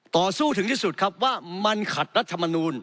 ต่อสู้ถึงที่สุดครับว่ามันขัดรัฐมนูล